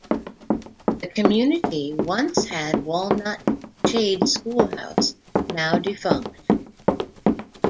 The community once had Walnut Shade Schoolhouse, now defunct.